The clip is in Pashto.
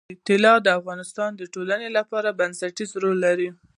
طلا د افغانستان د ټولنې لپاره بنسټيز رول لري.